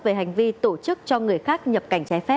về hành vi tổ chức cho người khác nhập cảnh trái phép